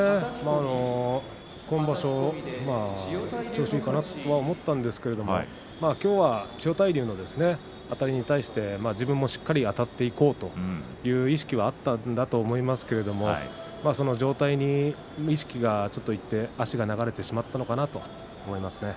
今場所、調子がいいかなと思ったんですけれどきょうは千代大龍のあたりに対して、自分もしっかりあたっていこうという意識があったんだと思いますけれど上体に意識がいって足が流れてしまったのかなと思いますね。